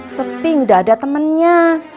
seping gak ada temennya